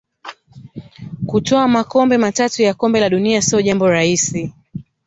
Kutwaa makombe matatu ya Kombe la dunia sio jambo rahisi